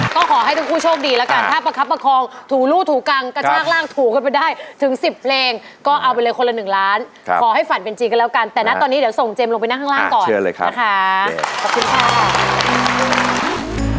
ก็ขอให้ทุกผู้โชคดีแล้วกันถ้าประคับประคองถูลูกถูกังกระชากร่างถูกันไปได้ถึง๑๐เพลงก็เอาไปเลยคนละ๑ล้านขอให้ฝันเป็นจริงกันแล้วกันแต่นะตอนนี้เดี๋ยวส่งเจมส์ลงไปนั่งข้างล่างก่อนนะคะขอบคุณค่ะ